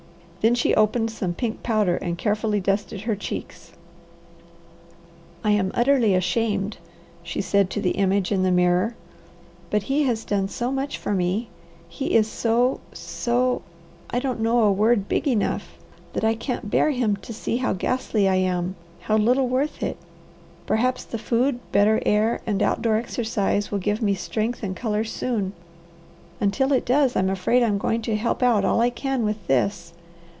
Then she opened some pink powder, and carefully dusted her cheeks. "I am utterly ashamed," she said to the image in the mirror, "but he has done so much for me, he is so, so I don't know a word big enough that I can't bear him to see how ghastly I am, how little worth it. Perhaps the food, better air, and outdoor exercise will give me strength and colour soon. Until it does I'm afraid I'm going to help out all I can with this.